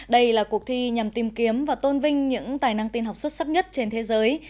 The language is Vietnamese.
đây là cuộc thi nhằm tìm kiếm và tôn vinh những tài năng tin học xuất sắc nhất trên thế giới